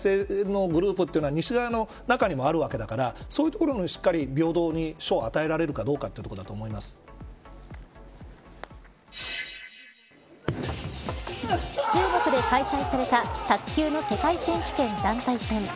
西側が嫌がる反体制のグループというのは西側の中にあるわけだからそういうところにもしっかり平等に賞を与えられるかどうか中国で開催された卓球の世界選手権、団体戦。